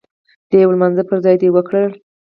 د يو لمانځه پر ځای دې وکړل.